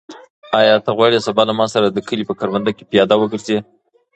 آیا ته غواړې سبا له ما سره د کلي په کروندو کې پیاده وګرځې؟